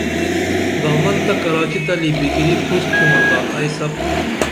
دامنتہ تہ کراچی تلی بِگِری پُھس تُھمہ تا ائی سپُن